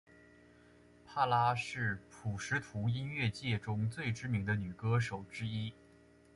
帕拉是普什图音乐界中最知名的女歌手之一。